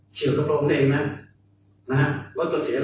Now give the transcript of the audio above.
เชียวกระโปรงด้านทางเองนะ